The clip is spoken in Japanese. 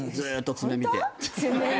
爪見て？